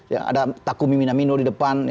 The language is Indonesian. ya ada takumi minamino di depan